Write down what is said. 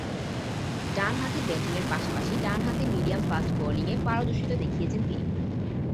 ডানহাতে ব্যাটিংয়ের পাশাপাশি ডানহাতে মিডিয়াম-ফাস্ট বোলিংয়ে পারদর্শীতা দেখিয়েছেন তিনি।